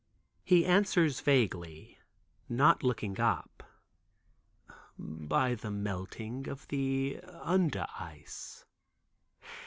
He answers vaguely, not looking up, "By the melting of the under ice."